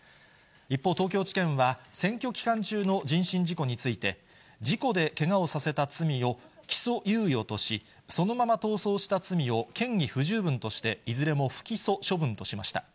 一方、東京地検は選挙期間中の人身事故について、事故でけがをさせた罪を起訴猶予とし、そのまま逃走した罪を嫌疑不十分として、いずれも不起訴処分としました。